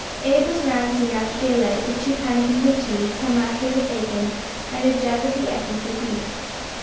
Abe was round soon after daylight, with two pannikins of tea, some rashers of bacon, and a jug of the essence of beef.